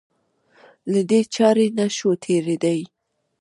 له دې چارې نه شو تېرېدای.